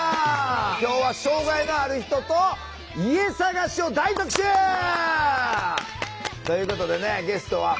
今日は障害のある人と家探しを大特集！ということでねゲストは鈴木紗理奈ちゃん！